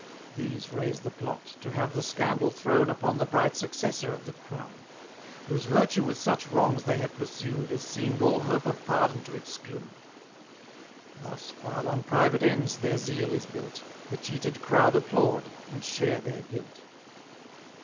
These raise the plot, to have the scandal thrown Upon the bright successor of the crown, 110 Whose virtue with such wrongs they had pursued, As seem'd all hope of pardon to exclude. Thus, while on private ends their zeal is built, The cheated crowd applaud, and share their guilt.